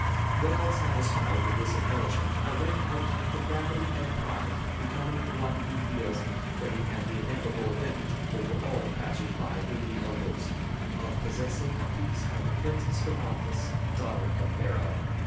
Well satisfied with this embellishment, I went out with the gravity and pride becoming one who feels that he has the ineffable advantage over all the passers by whom he elbows, of possessing a piece of the Princess Hermonthis, daughter of Pharaoh.